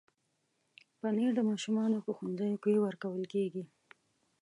پنېر د ماشومانو په ښوونځیو کې ورکول کېږي.